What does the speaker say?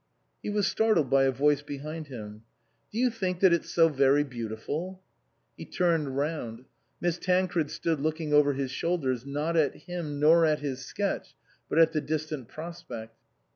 He was startled by a voice behind him. " Do you think that it's so very beautiful ?" He turned round. Miss Tancred stood looking over his shoulders, not at him nor at his sketch, but at the distant prospect.